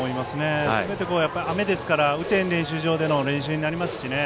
雨ですから雨天練習場での練習になりますしね。